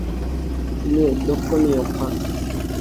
তিনি অধ্যক্ষ নিয়োগ হন।